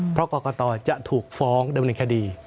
เพราะกอกอตอจะถูกฟ้องด้วยมันคดี